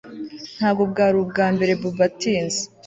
Ntabwo bwari ubwambere Bobo atinze